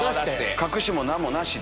隠しも何もなしで。